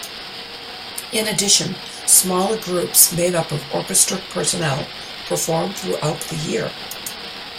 In addition, smaller groups made up of orchestra personnel perform throughout the year.